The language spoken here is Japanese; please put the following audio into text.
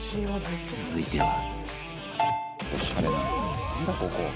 続いては。